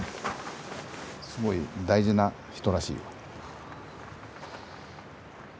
すごい大事な人らしいよ。